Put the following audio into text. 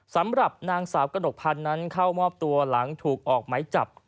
สำหรับนางสาวกระหนกพันธ์นั้นเข้ามอบตัวหลังถูกออกไหมจับ